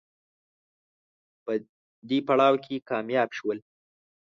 په دې پړاو کې کامیاب شول